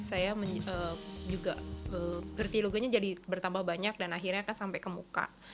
saya juga ngerti logonya jadi bertambah banyak dan akhirnya sampai ke muka